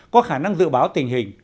có khả năng dự báo tình hình